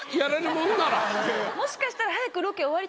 もしかしたら。